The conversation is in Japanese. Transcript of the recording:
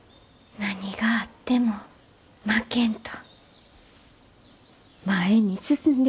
何があっても負けんと前に進んでほしい。